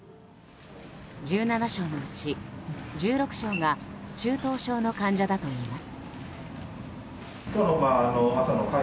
１７床のうち１６床が中等症の患者だといいます。